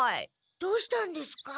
どうしたんですか？